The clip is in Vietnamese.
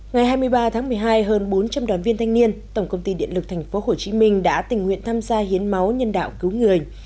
ngày hai mươi ba tháng một mươi hai hơn bốn trăm linh đoàn viên thanh niên tổng công ty điện lực tp hcm đã tình nguyện tham gia hiến máu nhân đạo cứu người